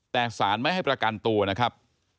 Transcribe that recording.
แต่สารไม่ให้ประกันตัวนะครับ